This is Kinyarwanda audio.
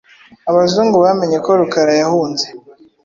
Abazungu bamenye ko Rukara yahunze